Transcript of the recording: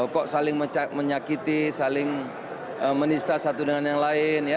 kok saling menyakiti saling menista satu dengan yang lain ya